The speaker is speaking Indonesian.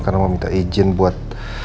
karena mau minta izin buat